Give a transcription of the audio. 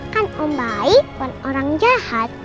kan om baik dan orang jahat